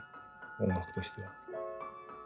音楽としては。